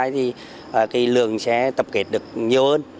thì cái lượng sẽ tập kết được nhiều hơn